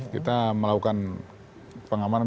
kita melakukan pengamanan